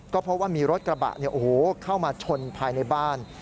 ก็เพราะว่ามีรถกระบะเข้ามาชนภายในบ้าน